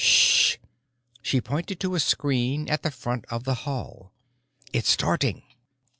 "Ssh!" She pointed to a screen at the front of the Hall. "It's starting."